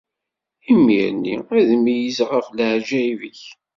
Imir-nni, ad meyyzeɣ ɣef leɛǧayeb-ik.